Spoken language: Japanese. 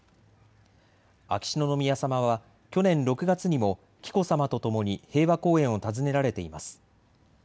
秋篠宮さまは去年６月にも紀子さまとともに平和公園を訪ねられています。